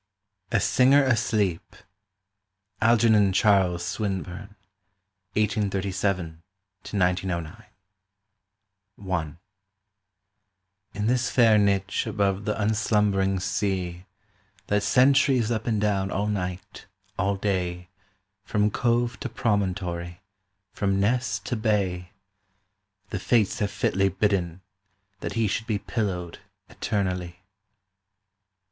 A SINGER ASLEEP (Algernon Charles Swinburne, 1837–1909) I In this fair niche above the unslumbering sea, That sentrys up and down all night, all day, From cove to promontory, from ness to bay, The Fates have fitly bidden that he should be Pillowed eternally.